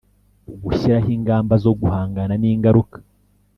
gushyiraho ingamba zo guhangana n ingaruka